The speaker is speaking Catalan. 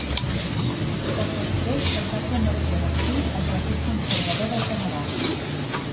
Poc després, es va convertir en actiu al Partit Conservador del Canadà.